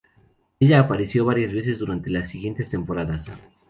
Ella apareció varias veces durante las siguientes temporadas.